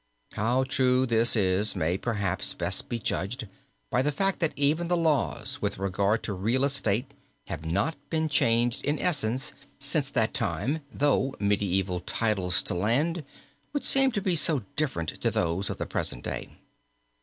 How true this is may perhaps best be judged by the fact that even the laws with regard to real estate have not been changed in essence since that time, though medieval titles to land would seem to be so different to those of the present day.